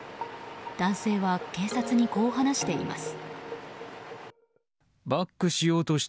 男性は、警察にこう話しています。